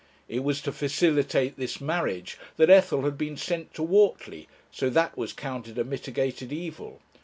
It was to facilitate this marriage that Ethel had been sent to Whortley, so that was counted a mitigated evil.